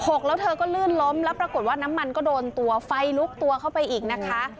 แล้วเธอก็ลื่นล้มแล้วปรากฏว่าน้ำมันก็โดนตัวไฟลุกตัวเข้าไปอีกนะคะ